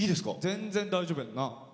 全然大丈夫やんな？